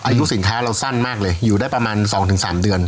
อายุสินค้าเราสั้นมากเลยอยู่ได้ประมาณ๒๓เดือน